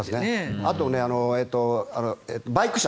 あと、バイク車。